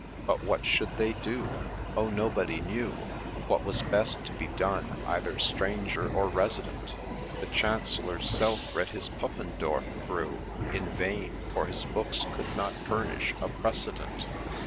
But what should they do ?— Oh ! nobody knew What was best to be done, either stranger or resident ; The Chancellor's self read his Puffendorf through In vain, for his books could not furnish a precedent.